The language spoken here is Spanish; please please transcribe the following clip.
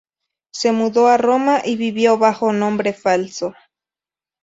Se mudó a Roma y vivió bajo nombre falso.